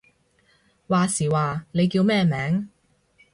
話時話，你叫咩名？